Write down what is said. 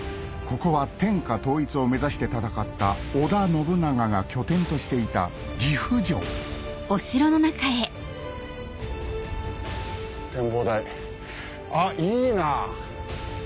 ここは天下統一を目指して戦った織田信長が拠点としていた展望台あっいいな。